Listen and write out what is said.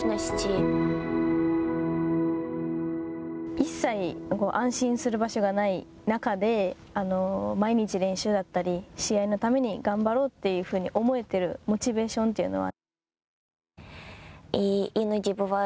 一切、安心する場所がない中で毎日練習だったり、試合のために頑張ろうというふうに思えているモチベーションというのは？